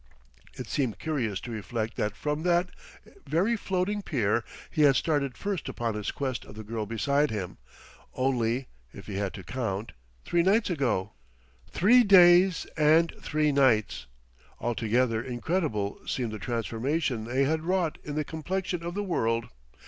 It seemed curious to reflect that from that very floating pier he had started first upon his quest of the girl beside him, only he had to count three nights ago! Three days and three nights! Altogether incredible seemed the transformation they had wrought in the complexion of the world.